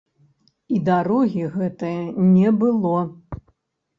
І дарогі гэтае не было.